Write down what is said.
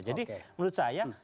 jadi menurut saya